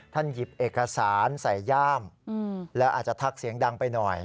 หยิบเอกสารใส่ย่ามแล้วอาจจะทักเสียงดังไปหน่อย